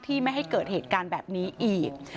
ไม่ให้เกิดเหตุการณ์แบบนี้อีก